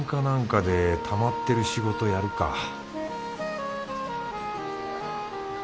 なんかでたまってる仕事やるか